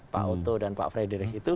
pak oto dan pak frederick itu